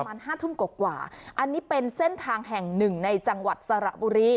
ห้าทุ่มกว่าอันนี้เป็นเส้นทางแห่งหนึ่งในจังหวัดสระบุรี